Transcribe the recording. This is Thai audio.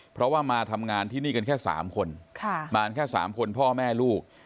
เพราะว่ามาทำงานที่นี่กันแค่๓คนมาแค่๓คนพ่อแม่ลูก